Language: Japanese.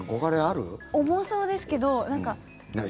重そうですけど。